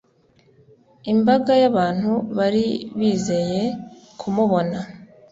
imbaga yabantu bari bizeye kumubona